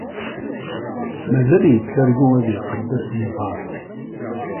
Mazal yettargu ad yeqqel d asegbar?